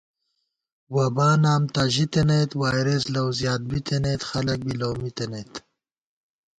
وَبا نام تہ ژِتَنَئیت وائرَس لَؤ زیات بِتَنَئیت خلَک بی لَؤ مِتَنَئیت